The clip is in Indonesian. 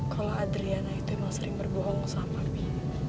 kalau adriana itu emang sering berbohong sama papi